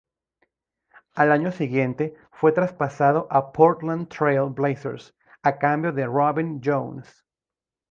Al año siguiente fue traspasado a Portland Trail Blazers a cambio de Robin Jones.